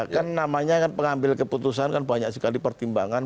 kan namanya pengambil keputusan kan banyak sekali pertimbangan